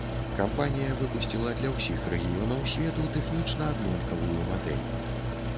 Кампанія выпусціла для ўсіх рэгіёнаў свету тэхнічна аднолькавую мадэль.